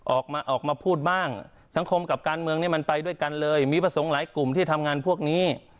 ออกมาออกมาพูดบ้างสังคมกับการเมืองนี้มันไปด้วยกันเลยมีพระสงฆ์หลายกลุ่มที่ทำงานพวกนี้